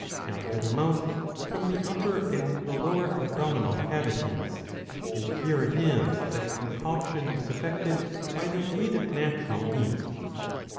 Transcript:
After the mouth come the upper and the lower abdominal cavities,^ and here it is that concoction is effected by the aid of natural heat.